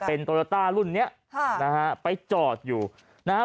เป็นโตโยต้ารุ่นเนี้ยค่ะนะฮะไปจอดอยู่นะฮะ